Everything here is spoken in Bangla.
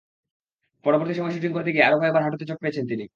পরবর্তী সময়ে শুটিং করতে গিয়ে আরও কয়েকবার হাঁটুতে চোট পেয়েছেন তিনি।